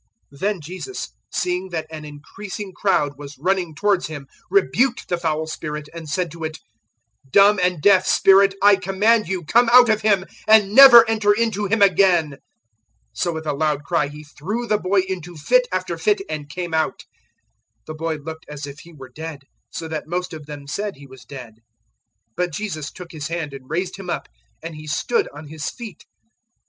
009:025 Then Jesus, seeing that an increasing crowd was running towards Him, rebuked the foul spirit, and said to it, "Dumb and deaf spirit, *I* command you, come out of him and never enter into him again." 009:026 So with a loud cry he threw the boy into fit after fit, and came out. The boy looked as if he were dead, so that most of them said he was dead; 009:027 but Jesus took his hand and raised him up, and he stood on his feet.